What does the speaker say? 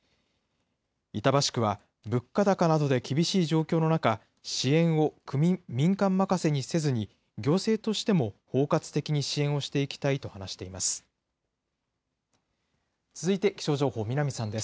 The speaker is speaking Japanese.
板橋区は物価高などで厳しい状況の中、支援を民間任せにせずに、行政としても包括的に支援をしていきたいと話しています。